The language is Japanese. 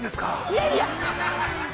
◆いやいや。